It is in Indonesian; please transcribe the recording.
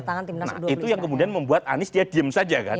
nah itu yang kemudian membuat anies dia diem saja kan